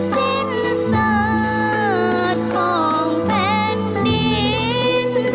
จะไม่สินอุตสัตว์ของแผ่นดิน